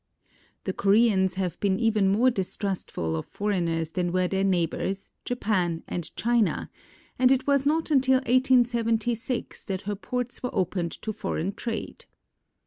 The Koreans have been even more distrustful of foreigners than were their neighbors, Japan and China, and it was not until 1876 that her ports were opened to foreign trade.